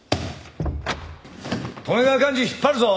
利根川寛二引っ張るぞ！